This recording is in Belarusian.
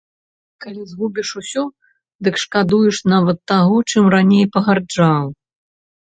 Калі згубіш усё, дык шкадуеш нават таго, чым раней пагарджаў.